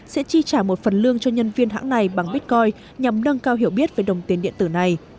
sẽ chi trả một phần lương cho nhân viên hãng này bằng bitcoin nhằm nâng cao hiểu biết về đồng tiền điện tử này